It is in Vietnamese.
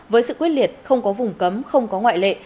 với sự quyết liệt không có vùng cấm không có ngoại lệ